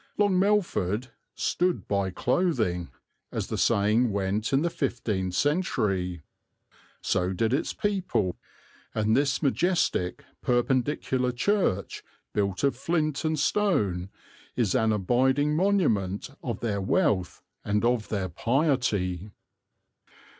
Long Melford "stood by clothing," as the saying went in the fifteenth century. So did its people, and this majestic Perpendicular church, built of flint and stone, is an abiding monument of their wealth and of their piety.